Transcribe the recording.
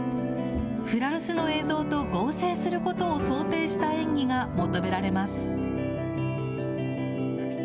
フランスの映像と合成することを想定した演技が求められます。